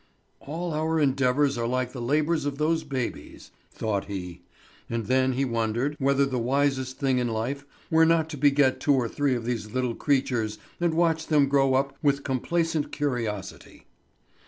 "All our endeavours are like the labours of those babies," thought he. And then he wondered whether the wisest thing in life were not to beget two or three of these little creatures and watch them grow up with complacent curiosity.